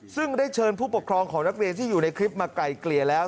ซึ่งได้เชิญผู้ปกครองของนักเรียนที่อยู่ในคลิปมาไกลเกลี่ยแล้ว